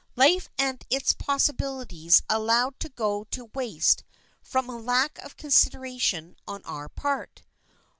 Life and its possibilities allowed to go to waste from a lack of consideration on our part!